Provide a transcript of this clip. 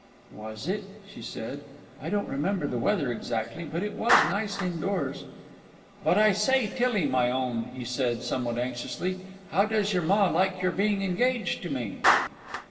"Was it?" she said. "I don't remember the weather exactly; but it was nice indoors." "But, I say, Tillie, my own," he said, somewhat anxiously, "how does your ma like your being engaged to me?"